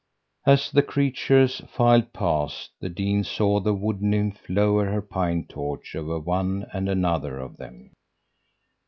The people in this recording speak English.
"As the creatures filed past, the dean saw the Wood nymph lower her pine torch over one and another of them.